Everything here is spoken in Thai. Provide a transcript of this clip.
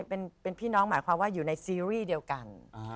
เป็นพี่น้องหมายความว่าอยู่ในซีรีส์เดียวกัน